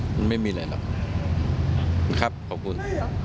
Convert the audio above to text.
มันไม่มีอะไรหรอกครับขอบคุณ